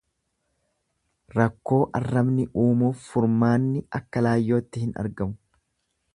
Rakkoo arrabni uumuuf furmaanni akka laayyootti hin argamu.